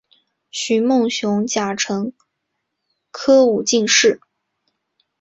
徐梦熊甲辰科武进士。